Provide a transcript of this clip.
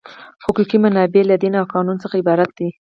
حقوقي منابع له دین او قانون څخه عبارت دي.